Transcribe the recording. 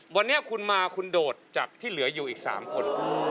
วันนี้คุณมาคุณโดดจากที่เหลืออยู่อีก๓คน